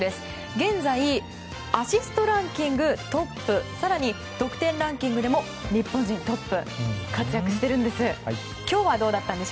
現在アシストランキングトップ更に得点ランキングでも日本人トップと活躍しているんです。